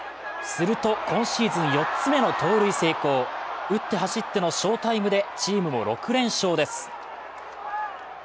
すると今シーズン４つ目の盗塁成功打って走っての翔タイムでチームも６連勝です。